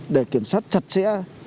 để kiểm soát chặt chẽ